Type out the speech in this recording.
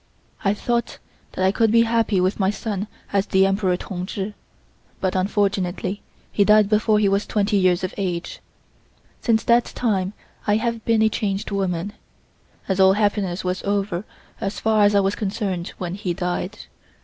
"I thought that I could be happy with my son as the Emperor Tung Chi, but unfortunately he died before he was twenty years of age. Since that time I have been a changed woman, as all happiness was over as far as I was concerned when he died.